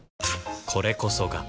これこそが